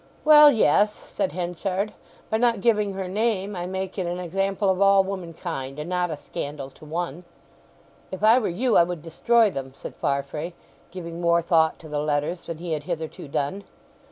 "Well, yes," said Henchard. "By not giving her name I make it an example of all womankind, and not a scandal to one." "If I were you I would destroy them," said Farfrae, giving more thought to the letters than he had hitherto done.